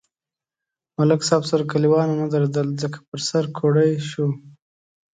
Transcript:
ملک صاحب سره کلیوال و نه درېدل ځکه په سر کوړئ شو.